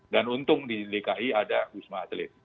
dan untung di dki ada usma aselin